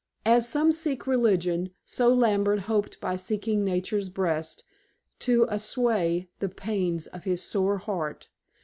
As some seek religion, so Lambert hoped by seeking Nature's breast to assuage the pains of his sore heart.